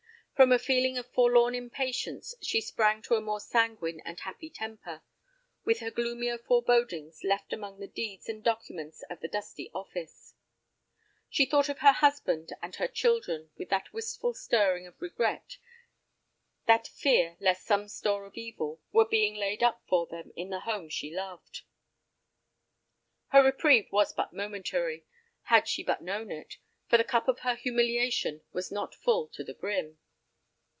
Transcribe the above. From a feeling of forlorn impatience she sprang to a more sanguine and happy temper, with her gloomier forebodings left among the deeds and documents of the dusty office. She thought of her husband and her children without that wistful stirring of regret, that fear lest some store of evil were being laid up for them in the home she loved. Her reprieve was but momentary, had she but known it, for the cup of her humiliation was not full to the brim.